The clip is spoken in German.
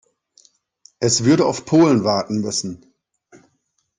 Es würde auf Polen warten müssen.